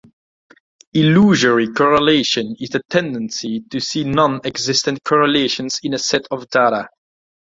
Illusory correlation is the tendency to see non-existent correlations in a set of data.